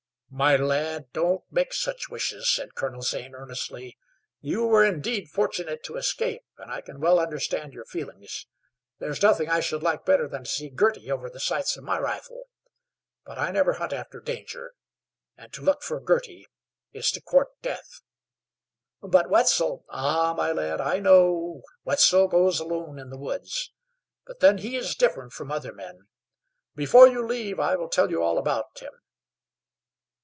"My lad, don't make such wishes," said Colonel Zane, earnestly. "You were indeed fortunate to escape, and I can well understand your feelings. There is nothing I should like better than to see Girty over the sights of my rifle; but I never hunt after danger, and to look for Girty is to court death." "But Wetzel " "Ah, my lad, I know Wetzel goes alone in the woods; but then, he is different from other men. Before you leave I will tell you all about him."